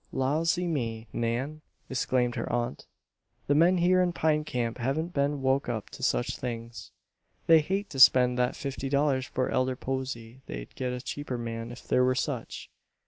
"Lawsy me, Nan!" exclaimed her aunt. "The men here in Pine Camp haven't been woke up to such things. They hate to spend that fifty dollars for Elder Posey, they'd get a cheaper man if there were such.